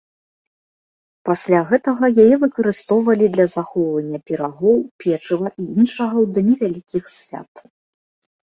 Пасля гэтага яе выкарыстоўвалі для захоўвання пірагоў, печыва і іншага ў дні вялікіх свят.